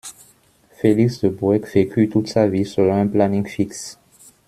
Felix De Boeck vécu toute sa vie selon un planning fixe.